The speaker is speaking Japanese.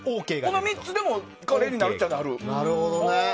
この３つでもカレーになるっちゃなる。